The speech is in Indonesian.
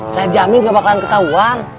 saya jamin gak bakalan ketahuan